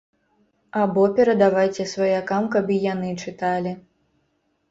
Або перадавайце сваякам, каб і яны чыталі.